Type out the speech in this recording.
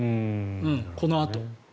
このあと。